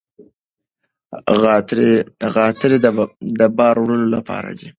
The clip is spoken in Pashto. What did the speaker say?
غاتري د بار وړلو لپاره دي.